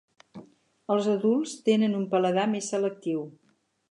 Els adults tenen un paladar més selectiu.